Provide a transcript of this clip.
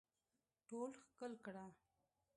ټول ښکل کړه